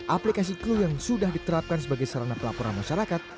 aplikasi clue yang sudah diterapkan sebagai sarana pelaporan masyarakat